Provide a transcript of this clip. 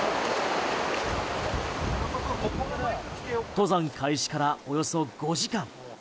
登山開始からおよそ５時間。